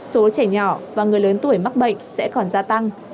số trẻ nhỏ và người lớn tuổi mắc bệnh sẽ còn gia tăng